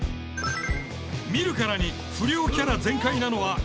見るからに不良キャラ全開なのは片居誠。